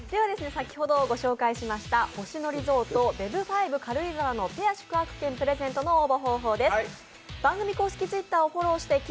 先ほどご紹介ししました星野リゾートＢＥＢ５軽井沢のペア宿泊券プレゼントの応募方法です。